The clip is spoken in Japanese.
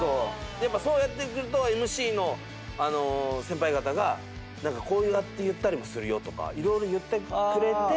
そうやってくるとＭＣの先輩方がこうやって言ったりもするよとか色々言ってくれて。